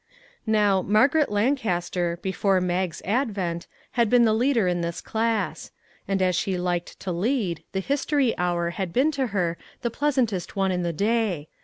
Now, Margaret Lancaster, before Mag's advent, had been the leader in this class; and as she liked to lead, the history hour had been to her the pleasantest one in the day.